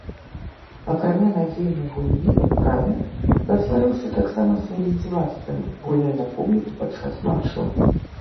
Акрамя надзейнай гульні ў браме, праславіўся таксама сваімі дзівацтвамі, гульнёй на публіку падчас матчаў.